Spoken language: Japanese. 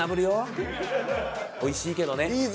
おいしいけどね。